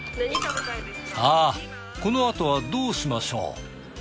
さあこの後はどうしましょう？